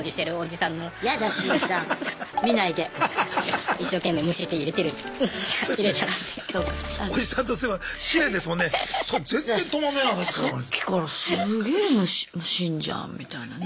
さっきからすんげえむしるじゃんみたいなね。